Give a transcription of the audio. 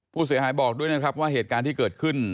ผู้เสียหายบอกด้วยนะครับว่าเหตุการณ์ที่เกิดขึ้น